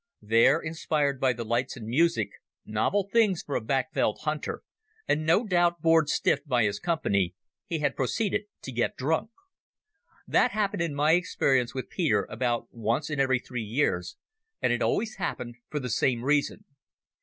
There, inspired by the lights and music—novel things for a backveld hunter—and no doubt bored stiff by his company, he had proceeded to get drunk. That had happened in my experience with Peter about once in every three years, and it always happened for the same reason.